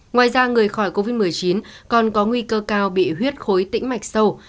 ngoài ra người khỏi covid một mươi chín còn có nguy cơ cao bị huyết khối tĩnh mạch sâu